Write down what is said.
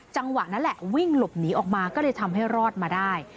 จังหวะนั้นแหละวิ่งหลบหนีออกมาก็เลยทำให้รอดมาได้